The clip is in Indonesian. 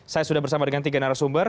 saya sudah bersama dengan tiga narasumber